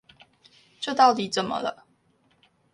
這到底怎麼了？